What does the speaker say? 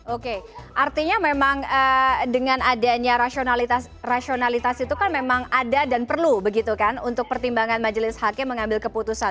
oke artinya memang dengan adanya rasionalitas itu kan memang ada dan perlu begitu kan untuk pertimbangan majelis hakim mengambil keputusan